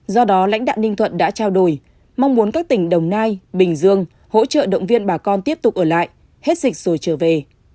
do đó lãnh đạo ninh thuận đã trao đổi mong muốn các tỉnh đồng nai bình dương hỗ trợ động viên bà con tiếp tục ở lại hết dịch rồi trở về